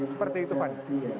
seperti itu pak